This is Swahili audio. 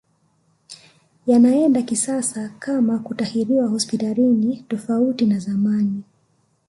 Yanaenda kisasa kama kutahiriwa hospitalini tofauti na zamani